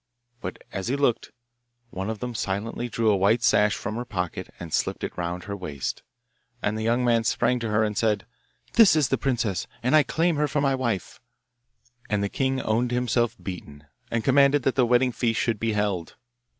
But as he looked one of them silently drew a white sash from her pocket and slipped it round her waist, and the young man sprang to her and said, 'This is the princess, and I claim her for my wife.' And the king owned himself beaten, and commanded that the wedding feast should be held.